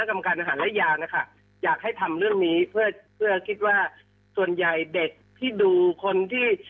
กรรมการอาหารและยานะคะอยากให้ทำเรื่องนี้เพื่อเพื่อคิดว่าส่วนใหญ่เด็กที่ดูคนที่